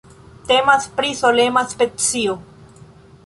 Temas pri solema specio.